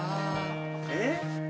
えっ？